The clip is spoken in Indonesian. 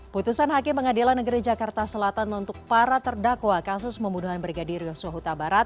putusan hakim pengadilan negeri jakarta selatan untuk para terdakwa kasus pembunuhan brigadir yosua huta barat